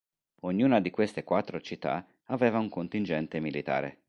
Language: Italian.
Ognuna di queste quattro città aveva un contingente militare.